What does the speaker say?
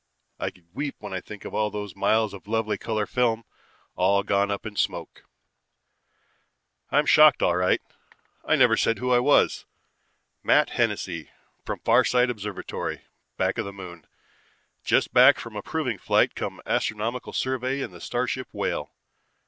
I could weep when I think of those miles of lovely color film, all gone up in smoke. "I'm shocked all right. I never said who I was. Matt Hennessy, from Farside Observatory, back of the Moon, just back from a proving flight cum astronomical survey in the starship Whale.